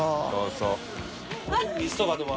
そうそう。